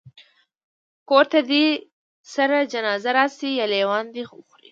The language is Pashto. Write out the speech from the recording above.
کور ته دي سره جنازه راسي یا لېوان دي وخوري